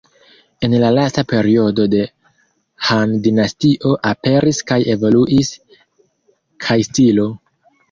En la lasta periodo de Han-dinastio aperis kaj evoluis Kai-stilo.